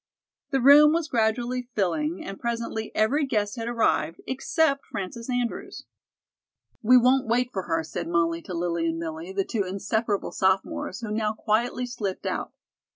The room was gradually filling, and presently every guest had arrived, except Frances Andrews. "We won't wait for her," said Molly to Lillie and Millie, the two inseparable sophomores, who now quietly slipped out.